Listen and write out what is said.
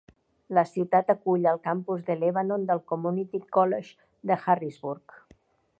La ciutat acull el campus de Lebanon del Community College de Harrisburg.